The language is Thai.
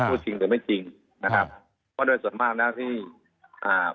พูดจริงหรือไม่จริงนะครับเพราะโดยส่วนมากแล้วที่อ่า